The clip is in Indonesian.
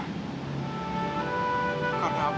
karena aku gak kasar sama kamu